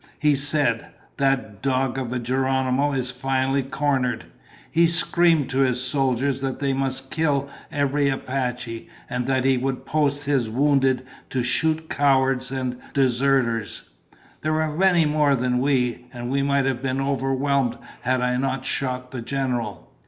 "He said, 'That dog of a Geronimo is finally cornered!' He screamed to his soldiers that they must kill every Apache, and that he would post his wounded to shoot cowards and deserters. They were many more than we, and we might have been overwhelmed had I not shot the general."